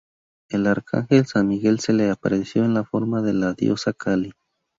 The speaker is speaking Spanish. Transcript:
El arcángel, San Miguel, se le apareció en la forma de la diosa Kali.